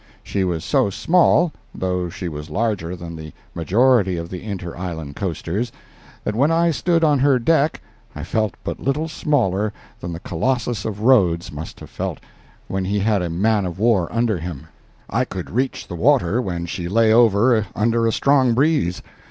She was so small (though she was larger than the majority of the inter island coasters) that when I stood on her deck I felt but little smaller than the Colossus of Rhodes must have felt when he had a man of war under him. I could reach the water when she lay over under a strong breeze.